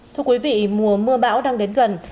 thưa quý vị mùa mưa bão đang đến gần